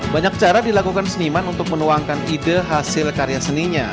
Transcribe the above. banyak cara dilakukan seniman untuk menuangkan ide hasil karya seninya